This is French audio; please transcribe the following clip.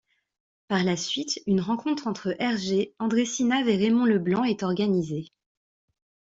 Par la suite, une rencontre entre Hergé, André Sinave et Raymond Leblanc est organisée.